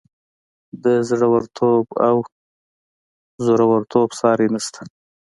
د زړه ورتوب او زورورتوب ساری نشته.